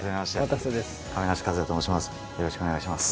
よろしくお願いします。